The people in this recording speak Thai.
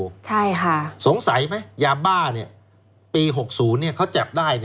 ใช่ค่ะสงสัยไหมยาบ้าปี๖๐เขาจับได้